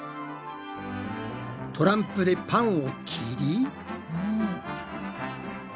トランプでパンを切り。